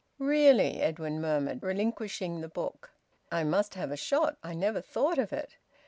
"Really!" Edwin murmured, relinquishing the book. "I must have a shot, I never thought of it."